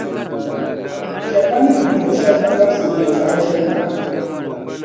Chεli Ma ni ninvuɣu shεba ban labsi N yεltɔɣa ʒiri maa.